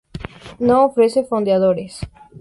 No ofrece fondeaderos.